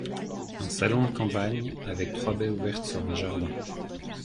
Un salon de campagne, avec trois baies ouvertes sur un jardin.